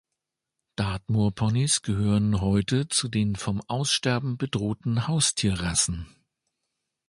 Dartmoor-Ponys gehören heute zu den vom Aussterben bedrohten Haustierrassen.